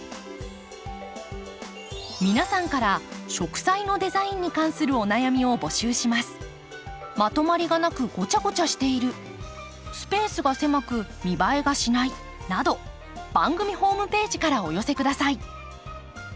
皆さんから植栽のデザインに関するお悩みを募集します。など番組ホームページからお寄せください。